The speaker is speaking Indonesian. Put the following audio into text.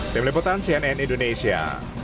tim liputan cnn indonesia